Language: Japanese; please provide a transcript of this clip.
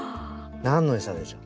何のエサでしょう？